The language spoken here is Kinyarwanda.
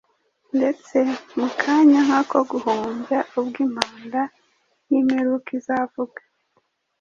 ndetse mu kanya nk’ako guhumbya, ubwo impanda y’imperuka izavuga.